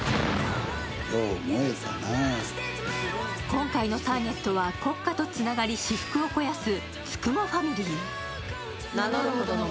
今回のターゲットは、国家とつながり私腹を肥やす九十九ファミリー。